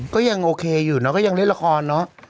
ก็ยังโอเคอยู่เนอะก็ยังเล่นละครเนอะ